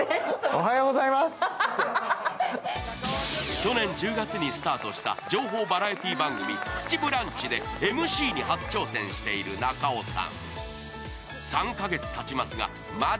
去年１０月にスタートした情報バラエティー番組、「プチブランチ」でＭＣに初挑戦している中尾さん。